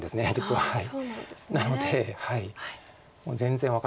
はい。